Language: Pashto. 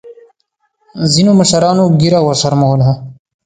ځینو مشرانو ګیره وشرمولـه.